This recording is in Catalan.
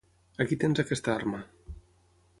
Aquí tens aquesta arma.